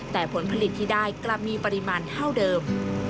แต่ผลผลิตที่ได้กลับมีปริมาณเท่าเดิม